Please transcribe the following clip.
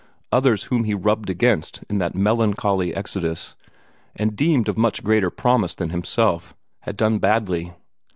Others whom he rubbed against in that melancholy exodus, and deemed of much greater promise than himself, had done badly.